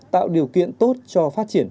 tạo điều kiện tốt cho phát triển